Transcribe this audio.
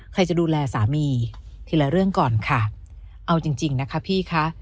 ใครจะดูแลสามีทีละเรื่องก่อนค่ะเอาจริงจริงนะคะพี่คะ